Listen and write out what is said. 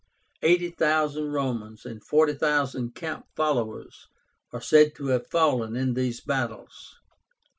Eighty thousand Romans and forty thousand camp followers are said to have fallen in these battles.